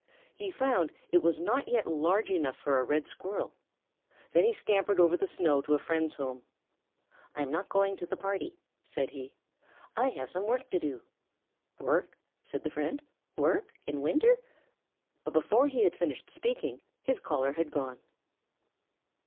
He found it was not yet large enough for a Red Squirrel. Then he scampered over the snow to a friend's home. "I'm not going to the party," said he. "I have some work to do." "Work?" said the friend. "Work? In winter?" But before he had finished speaking his caller had gone.